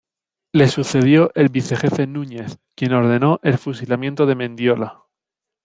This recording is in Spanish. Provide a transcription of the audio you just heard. Le sucedió el Vicejefe Núñez, quien ordenó el fusilamiento de Mendiola.